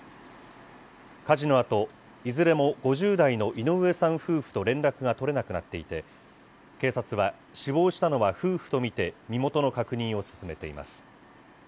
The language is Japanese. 火事のあと、いずれも５０代の井上さん夫婦と連絡が取れなくなっていて、警察は、死亡したのは夫婦と見て、身元の確認を進めています。